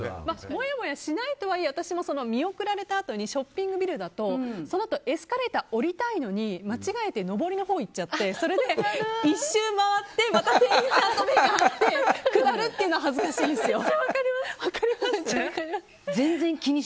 もやもやしないとはいえ見送られたあとにショッピングビルだとそのあと、エスカレーターを降りたいのに間違えて上りのほうに行っちゃって１周回ってまた店員さんに会って恥ずかしいんですよ。